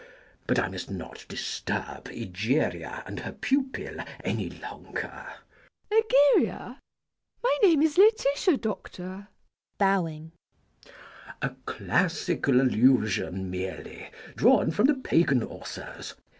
But I must not disturb Egeria and her pupil any longer. MISS PRISM. Egeria? My name is Lætitia, Doctor. CHASUBLE. [Bowing.] A classical allusion merely, drawn from the Pagan authors.